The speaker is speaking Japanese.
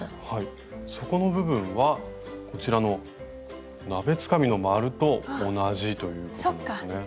底の部分はこちらの鍋つかみの円と同じということですね。